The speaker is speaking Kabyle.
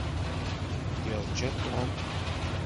Irǧa Tom.